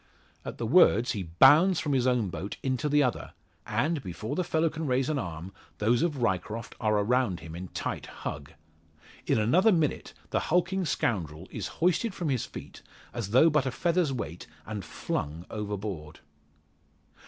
At the words he bounds from his own boat into the other; and, before the fellow can raise an arm, those of Ryecroft are around him in tight hug. In another minute the hulking scoundrel is hoisted from his feet, as though but a feather's weight, and flung overboard.